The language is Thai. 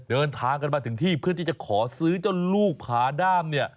เดินทางกันมาถึงที่เพื่อที่จะขอซื้อเจ้าลูกผาด้ามเนี่ย